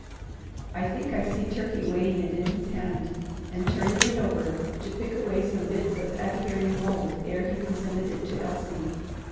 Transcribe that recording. I think I see Turkey weighing it in his hand, and turning it over to pick away some bits of adhering mould ere he presented it to Elsie.